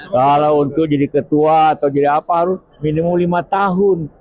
kalau untuk jadi ketua atau jadi apa harus minimum lima tahun